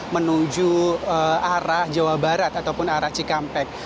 menuju arah jawa barat ataupun arah cikampek